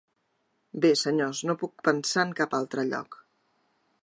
Bé, senyors, no puc pensar en cap altre lloc.